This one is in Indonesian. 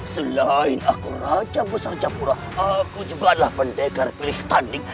selain aku raja besar japura aku juga adalah pendekar pilih tanding